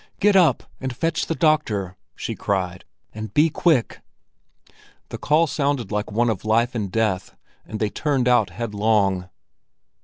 "Get up and fetch the doctor!" she cried, "and be quick!" The call sounded like one of life and death, and they turned out headlong.